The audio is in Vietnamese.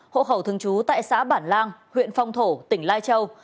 hộ khẩu thường trú tại xã bản lang huyện phong thổ tỉnh lai châu